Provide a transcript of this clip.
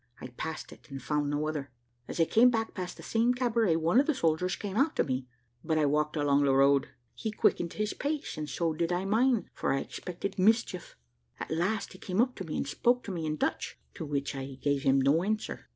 I passed it, and found no other. As I came back past the same cabaret, one of the soldiers came out to me, but I walked along the road. He quickened his pace, and so did I mine, for I expected mischief. At last he came up to me, and spoke to me, in Dutch, to which I gave him no answer.